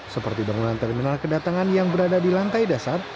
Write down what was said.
seperti bangunan terminal kedatangan yang berada di lantai dasar